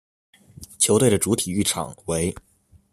球队的主体育场为。